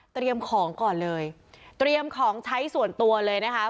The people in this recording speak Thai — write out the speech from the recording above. ของก่อนเลยเตรียมของใช้ส่วนตัวเลยนะคะ